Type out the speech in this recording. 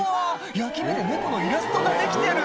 焼き目で猫のイラストができてる！